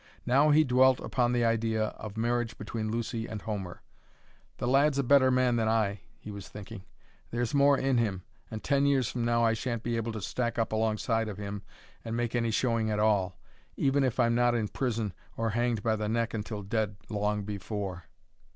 Now he dwelt upon the idea of marriage between Lucy and Homer. "The lad's a better man than I," he was thinking. "There's more in him, and ten years from now I shan't be able to stack up alongside of him and make any showing at all even if I'm not in prison or hanged by the neck until dead long before."